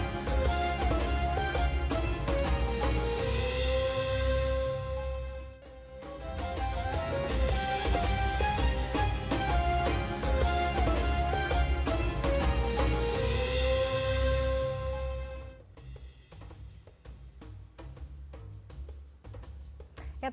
jangan kembali setelah itu